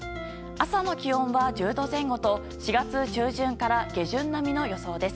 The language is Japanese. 朝の気温は１０度前後と４月中旬から下旬並みの予想です。